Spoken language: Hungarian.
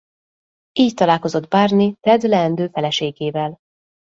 Így találkozott Barney Ted leendő feleségével.